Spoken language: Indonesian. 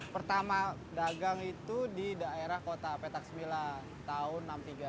pertama dagang itu di daerah kota petak sembilan tahun seribu sembilan ratus enam puluh tiga